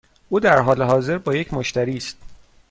او در حال حاضر با یک مشتری است.